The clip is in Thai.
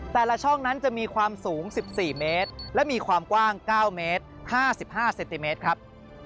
แต่ละช่องนั้นจะมีความสูง๑๔เมตรและมีความกว้าง๙เมตร๕๕เซนติเมตรครับ